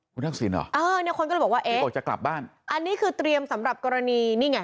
คุณทักษิณหรอเอ๊ะนี่คนก็เลยบอกว่าเอ๊ะอันนี้คือเตรียมสำหรับกรณีนี่ไง